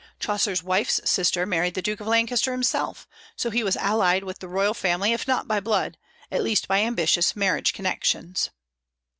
Chaucer's wife's sister married the Duke of Lancaster himself; so he was allied with the royal family, if not by blood, at least by ambitious marriage connections.